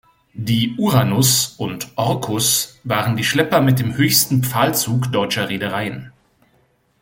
Die "Uranus" und "Orcus" waren die Schlepper mit dem höchsten Pfahlzug deutscher Reedereien.